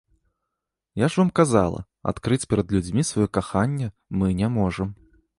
Я ж вам казала, адкрыць перад людзьмі сваё каханне мы не можам.